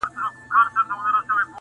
چي در معلوم شي د درمن زړګي حالونه.!